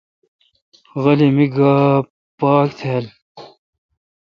غلی می گاؘ پاک تھ۔